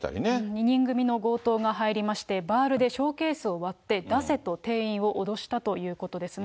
２人組の強盗が入りまして、バールでショーケースを割って、出せと定員を脅したということですね。